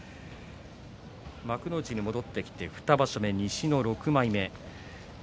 幕内に戻ってきて２場所目、西の６枚目竜電。